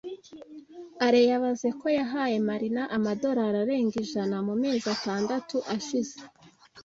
Alain yabaze ko yahaye Marina amadolari arenga ijana mu mezi atandatu ashize.